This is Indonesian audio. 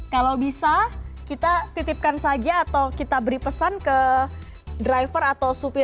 kalau bisa kita titipkan saja atau kita beri pesan ke driver atau supir